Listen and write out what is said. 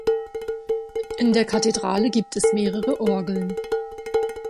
In der Kathedrale gibt es mehrere Orgeln.